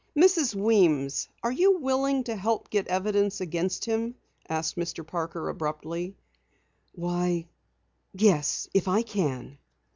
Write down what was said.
"Mrs. Weems, are you willing to help get evidence against him?" asked Mr. Parker abruptly. "Why, yes, if I can."